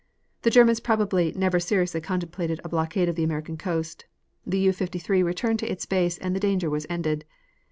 The Germans probably never seriously contemplated a blockade of the American coast. The U 53 returned to its base and the danger was ended.